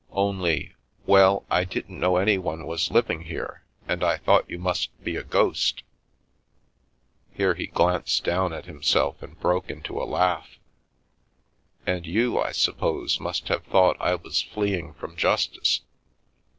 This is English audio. Only — well, I didn't know anyone was living here and I thought you must be a ghost —" here he glanced down at himself and broke into a laugh —" and you, I suppose, must have thought I was fleeing from justice.